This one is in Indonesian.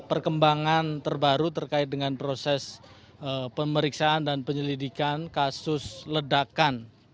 perkembangan terbaru terkait dengan proses pemeriksaan dan penyelidikan kasus ledakan